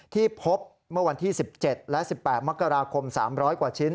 ที่พบเมื่อวันที่๑๗และ๑๘มกราคม๓๐๐กว่าชิ้น